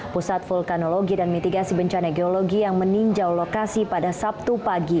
pusat vulkanologi dan mitigasi bencana geologi yang meninjau lokasi pada sabtu pagi